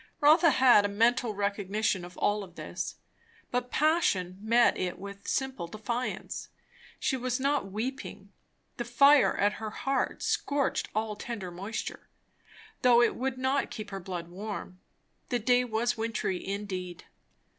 Rotha had a mental recognition of all this; but passion met it with simple defiance. She was not weeping; the fire at her heart scorched all tender moisture, though it would not keep her blood warm. The day was wintry indeed.